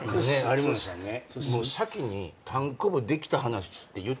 有村さんね。